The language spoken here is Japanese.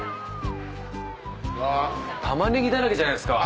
玉ねぎだらけじゃないですか。